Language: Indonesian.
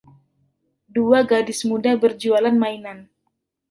Dua gadis muda berjualan mainan.